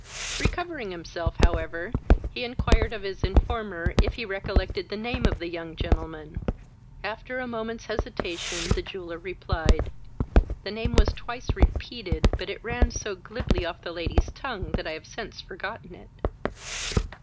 Recovering himself, however, he inquired of his informer if he recollected the name of the young gentleman. After a moment's hesitation, the jeweller replied, "the name was twice repeated, but it ran so glibly off the lady's tongue, that I have since forgotten it."